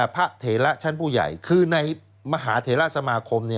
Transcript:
พระเถระชั้นผู้ใหญ่คือในมหาเถระสมาคม